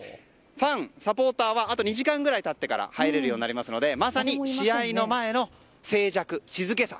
ファン、サポーターはあと２時間経ってから入れるようになりますのでまさに試合前の静寂、静けさ。